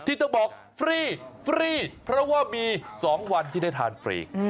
ที่ต้องบอกฟรีฟรีเพราะว่ามี๒วันที่ได้ทานฟรี